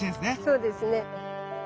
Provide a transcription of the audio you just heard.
そうですね。